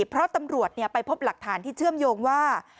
เพราะตำรวจไปพบหลักฐานที่เชื่อมโยงว่า